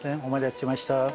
お待たせしました。